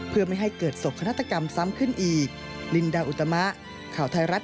เพื่อไม่ให้เกิดโศกนาฏกรรมซ้ำขึ้นอีก